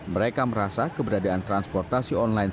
mereka merasa keberadaan transportasi online